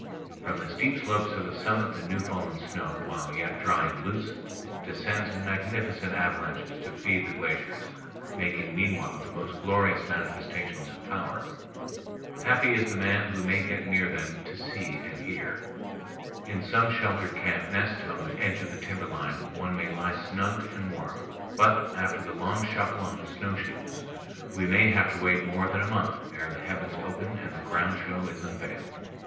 From the steep slopes of the summit the new fallen snow, while yet dry and loose, descends in magnificent avalanches to feed the glaciers, making meanwhile the most glorious manifestations of power. Happy is the man who may get near them to see and hear. In some sheltered camp nest on the edge of the timberline one may lie snug and warm, but after the long shuffle on snowshoes we may have to wait more than a month ere the heavens open and the grand show is unveiled.